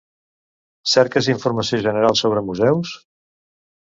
Cerques informació general sobre museus?